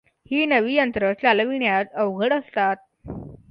ही नवी यंत्रं चालविण्यास अवघड असतात.